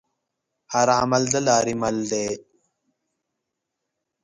هر عمل دلارې مل دی.